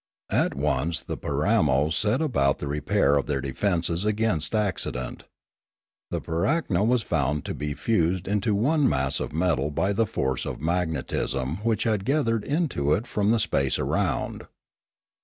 At once the Piramo set about the repair of their defences against accident. The pirakno was found to be fused into one mass of metal by the force of magnetism which had gathered into it from the space around.